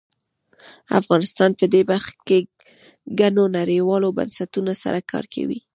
افغانستان په دې برخه کې له ګڼو نړیوالو بنسټونو سره کار کوي.